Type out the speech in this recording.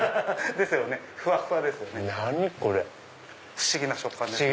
不思議な食感ですよね。